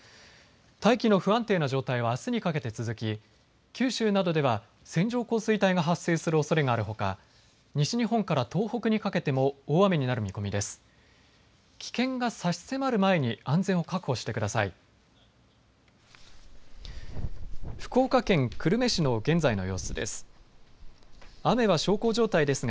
大気の不安定な状態はあすにかけて続き、九州などでは線状降水帯が発生するおそれがあるほか西日本から東北にかけても大雨になる見込みです。